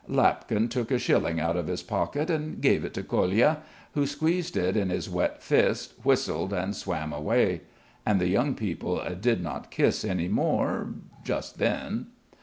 Lapkin took a shilling out of his pocket and gave it to Kolia, who squeezed it in his wet fist, whistled, and swam away. And the young people did not kiss any more just then.